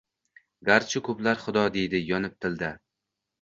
Garchi koʼplar Xudo deydi yonib tilda